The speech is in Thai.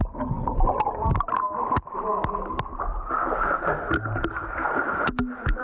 ไม่รู้วันไหน